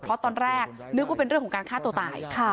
เพราะตอนแรกนึกว่าเป็นเรื่องของการฆ่าตัวตาย